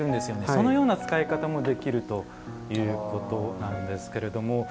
そのような使い方もできるということなんですけれども。